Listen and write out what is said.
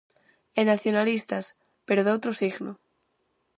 E nacionalistas, pero doutro signo.